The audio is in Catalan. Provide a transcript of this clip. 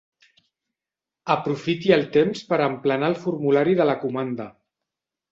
Aprofiti el temps per emplenar el formulari de la comanda”.